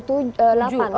oh delapan bulan